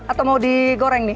atau mau digoreng nih